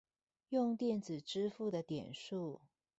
用電子支付的點數